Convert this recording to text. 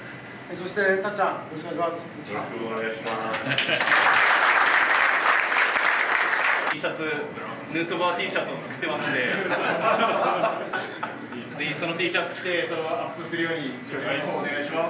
そして、たっちゃんお願いします。